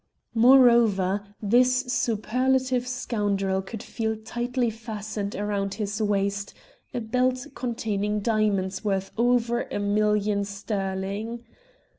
Moreover, this superlative scoundrel could feel tightly fastened round his waist a belt containing diamonds worth over a million sterling.